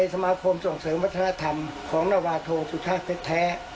สมาคมส่งเสริมวัฒนธรรมของนวาโทสุชาติแท้